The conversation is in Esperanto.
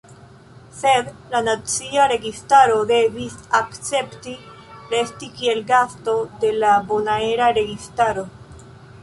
Sed la nacia registaro devis akcepti resti kiel gasto de la bonaera registaro.